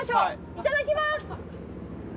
いただきます！